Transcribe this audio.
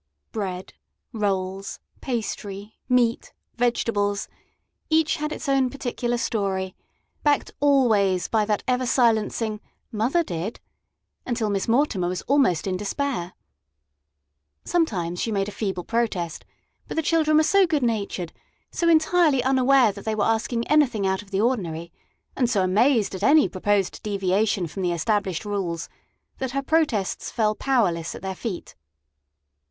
Bread, rolls, pastry, meat, vegetables each had its own particular story, backed always by that ever silencing "mother did," until Miss Mortimer was almost in despair. Sometimes she made a feeble protest, but the children were so good natured, so entirely unaware that they were asking anything out of the ordinary, and so amazed at any proposed deviation from the established rules, that her protests fell powerless at their feet.